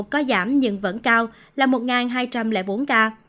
có giảm nhưng vẫn cao là một hai trăm linh bốn ca